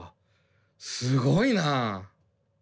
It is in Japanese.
すごいな。